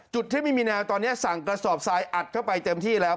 ที่ไม่มีแนวตอนนี้สั่งกระสอบทรายอัดเข้าไปเต็มที่แล้ว